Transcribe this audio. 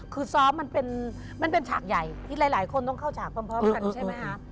คือซ้อมมันเป็นฉากใหญ่ที่หลายคนต้องเข้าฉากพร้อมกันใช่ไหมคะ